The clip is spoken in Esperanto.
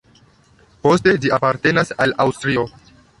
Poste ĝi apartenas al Aŭstrio.